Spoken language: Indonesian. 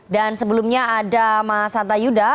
dan sebelumnya ada mas hanta yuda